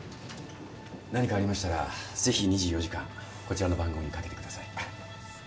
何かありましたらぜひ２４時間こちらの番号にかけてください。